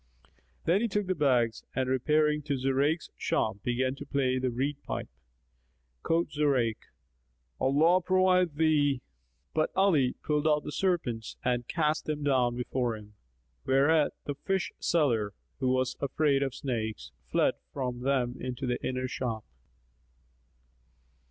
Then he took the bags and repairing to Zurayk's shop began to play the reed pipe. Quoth Zurayk, "Allah provide thee!" But Ali pulled out the serpents and cast them down before him; whereat the fishseller, who was afraid of snakes, fled from them into the inner shop.